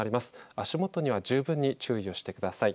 足元には十分に注意をしてください。